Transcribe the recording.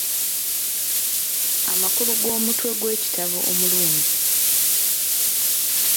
Amakulu g’omutwe gw'ekitabo omulungi.